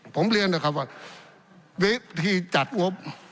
ผมเรียนนะครับว่าวิธีจัดงบ